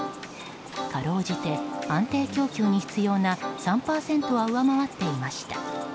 かろうじて、安定供給に必要な３％は上回っていました。